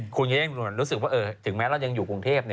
คุณจะได้รู้สึกว่าถึงแม้เรายังอยู่กรุงเทพ